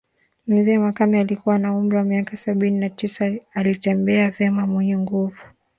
Mzee Makame alikuwa na umri wa miaka sabini na tisa alitembea vema mwenye nguvu